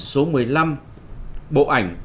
số một mươi năm bộ ảnh